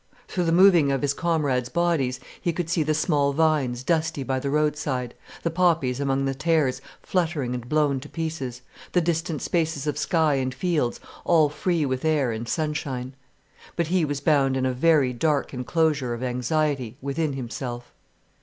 Through the moving of his comrades' bodies, he could see the small vines dusty by the roadside, the poppies among the tares fluttering and blown to pieces, the distant spaces of sky and fields all free with air and sunshine. But he was bound in a very dark enclosure of anxiety within himself.